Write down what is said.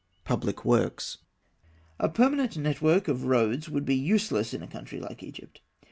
PUBLIC WORKS. A permanent network of roads would be useless in a country like Egypt.